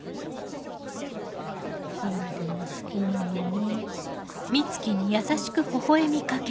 今でも好きなのね。